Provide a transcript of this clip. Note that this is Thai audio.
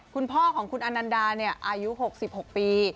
คุณพ่อของคุณอนันดาอายุ๖๖ปี